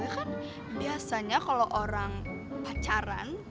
ya kan biasanya kalo orang pacaran